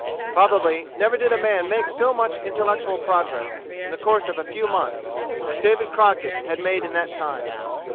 Probably never did a man make so much intellectual progress, in the course of a few months, as David Crockett had made in that time.